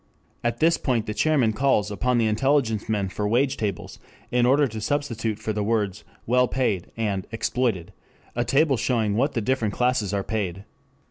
At this point the chairman calls upon the intelligence men for wage tables in order to substitute for the words "well paid" and "exploited" a table showing what the different classes are paid.